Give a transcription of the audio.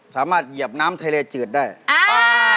สามารถเหยียบน้ำทะเลเจือดได้อ้าว